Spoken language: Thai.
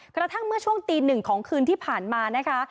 กระทั่งเมื่อช่วงตีหนึ่งของคืนที่ผ่านมานะคะ